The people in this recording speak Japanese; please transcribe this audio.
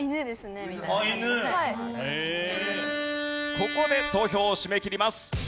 ここで投票を締め切ります。